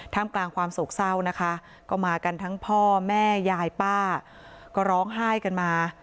กลางกลางความโศกเศร้านะคะก็มากันทั้งพ่อแม่ยายป้าก็ร้องไห้กันมา